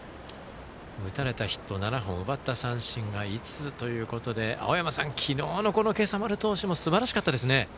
打たれたヒット７本奪った三振が５つということで青山さん、昨日の今朝丸投手もすばらしかったですね。